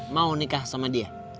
mau nikah sama dia